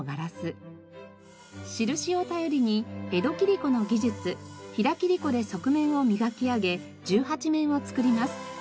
印を頼りに江戸切子の技術平切子で側面を磨き上げ１８面を作ります。